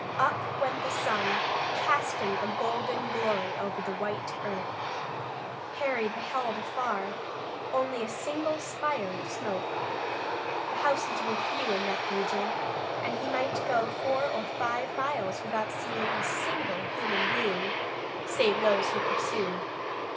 Up went the sun, casting a golden glory over the white earth. Harry beheld afar only a single spire of smoke. The houses were few in that region, and he might go four or five miles without seeing a single human being, save those who pursued.